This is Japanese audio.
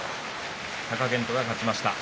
貴健斗が勝ちました。